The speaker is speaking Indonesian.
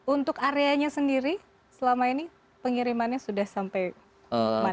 untuk areanya sendiri selama ini pengirimannya sudah sampai mana